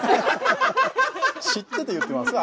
知ってて言ってますか？